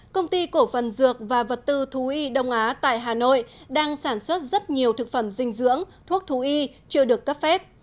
công ty cổ phần dược và vật tư thú y đông á tại hà nội đang sản xuất rất nhiều thực phẩm dinh dưỡng thuốc thú y chưa được cấp phép